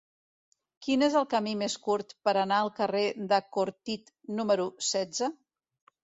Quin és el camí més curt per anar al carrer de Cortit número setze?